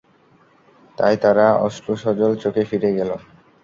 তাই তারা অশ্রুসজল চোখে ফিরে গেল।